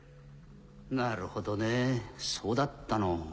なるほどねぇそうだったの。